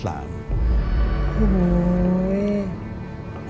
โอ้โห